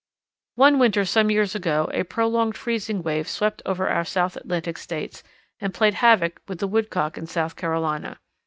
One winter some years ago a prolonged freezing wave swept over our South Atlantic States, and played havoc with the Woodcock in South Carolina.